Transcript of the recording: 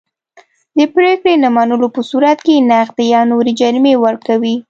د پرېکړې نه منلو په صورت کې نغدي یا نورې جریمې ورکوي.